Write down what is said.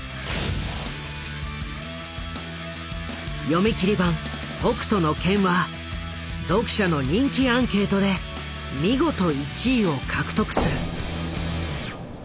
読み切り版「北斗の拳」は読者の人気アンケートで見事１位を獲得する。